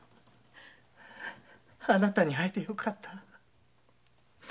あなたに会えてよかった。